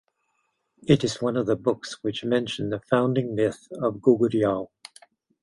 It is one of the books which mention the founding myth of Goguryeo.